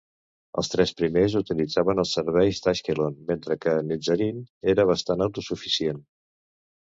Els tres primers utilitzaven els serveis d'Ashkelon, mentre que Netzarim era bastant autosuficient.